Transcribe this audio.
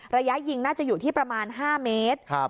ระยะยิงน่าจะอยู่ที่ประมาณ๕เมตร